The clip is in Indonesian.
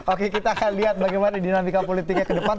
oke kita akan lihat bagaimana dinamika politiknya ke depan